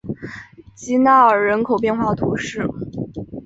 吉纳尔人口变化图示